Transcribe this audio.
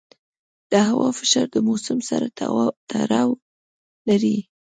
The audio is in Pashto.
د هوا فشار د موسم سره تړاو لري.